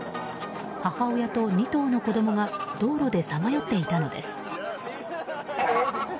母親と２頭の子供が道路でさまよっていたのです。